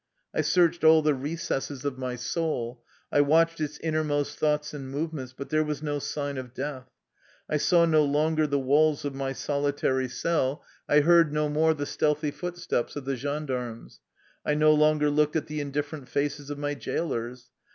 I searched all the re cesses of my soul, I watched its innermost thoughts and movements, but there was no sign of death. I saw no longer the walls of my solitary cell, 157 THE LIFE STOEY OF A EUSSIAN EXILE I heard no more the stealthy footsteps of the gendarmes. I no longer looked at the indiffer ent faces of my jailers.